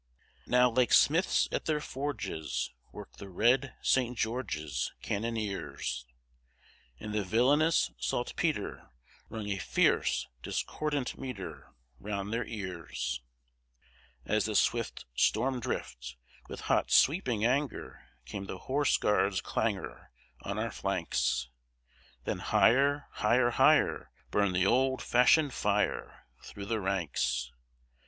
Now like smiths at their forges Worked the red St. George's Cannoneers; And the "villainous saltpetre" Rung a fierce, discordant metre Round their ears; As the swift Storm drift, With hot sweeping anger, came the horse guards' clangor On our flanks: Then higher, higher, higher, burned the old fashioned fire Through the ranks!